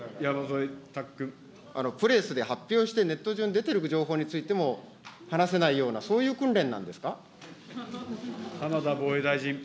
プレスで発表してネット上に出てる情報についても、話せないような、そういう訓練なんですか。